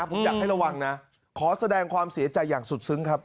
ผมอยากให้ระวังนะขอแสดงความเสียใจอย่างสุดซึ้งครับ